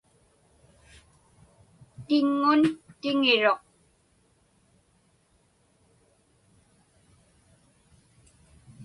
Tiŋŋun tiŋiruq.